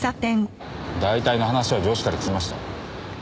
大体の話は上司から聞きました。